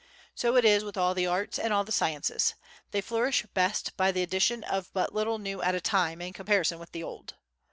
So it is with all the arts and all the sciences—they flourish best by the addition of but little new at a time in comparison with the old.